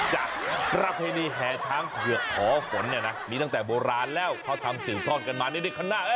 จากประเภนีแหท้างเผื่อท้อฝนเนี่ยนะมีตั้งแต่โบราณแล้วเขาทำสื่อซ่อนกันมานิดนึกข้างหน้า